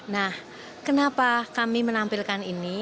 nah kenapa kami menampilkan ini